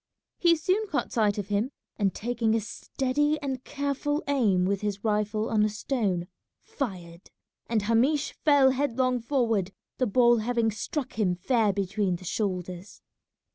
He soon caught sight of him, and taking a steady and careful aim with his rifle on a stone, fired, and Hamish fell headlong forward, the ball having struck him fair between the shoulders.